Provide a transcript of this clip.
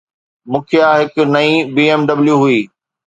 مکيه هڪ نئين BMW هئي.